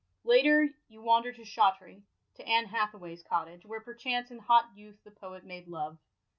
Later, you wander to Shottery, to Anne Hatha way's cottage, where perchance in hot youth the poet made love.